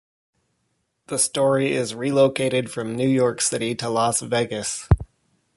The story is relocated from New York City to Las Vegas.